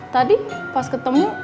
tadi pas ketemu